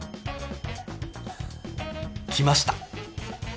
来ました。